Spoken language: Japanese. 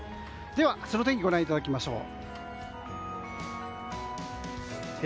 では、明日の天気をご覧いただきましょう。